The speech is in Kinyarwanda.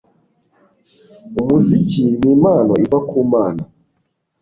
Umuziki nimpano iva ku Mana